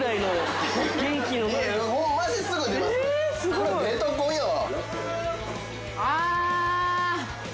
これベトコンやわ。